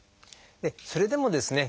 それでもですね